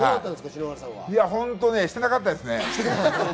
僕はしてなかったですね。